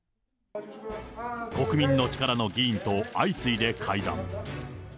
国民の力の議員と相次いで会談。